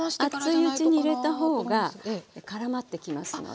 熱いうちに入れたほうがからまってきますので。